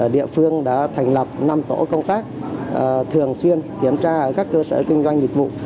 địa phương đã thành lập năm tổ công tác thường xuyên kiểm tra các cơ sở kinh doanh dịch vụ